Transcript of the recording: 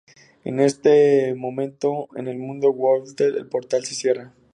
En ese momento, en el mundo Goa'uld el Portal se cierra.